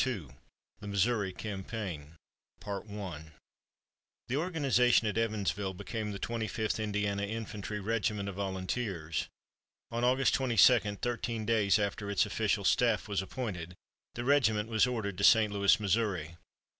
II THE MISSOURI CAMPAIGN The organization at Evansville became the Twenty fifth Indiana Infantry Regiment of Volunteers. On August 22, thirteen days after its official staff was appointed, the regiment was ordered to St. Louis, Missouri.